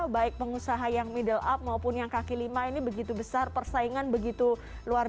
baik pengusaha yang middle up maupun yang kaki lima ini begitu besar persaingan begitu luar